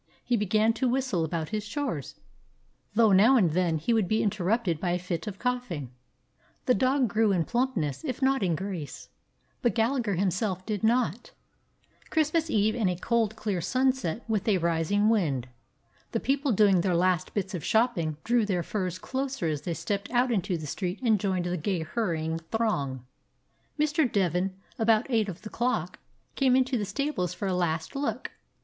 He began to whistle about his chores, 163 DOG HEROES OF MANY LANDS though now and then he would be interrupted by a fit of coughing. The dog grew in plump ness, if not in grace, but Gallagher himself did not. Christmas Eve, and a cold, clear sunset, with a rising wind. The people doing their last bits of shopping drew their furs closer as they stepped out into the street and joined the gay hurrying throng. Mr. Devin, about eight of the clock, came into the stables for a last look.